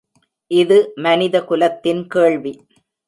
இது மனித குலத்தின் கேள்வி!